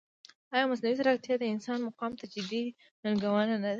ایا مصنوعي ځیرکتیا د انسان مقام ته جدي ننګونه نه ده؟